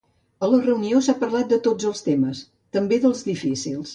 A la reunió s’ha parlat de tots els temes, ‘també dels difícils’.